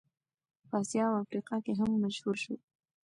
په اسیا او افریقا کې هم مشهور شو.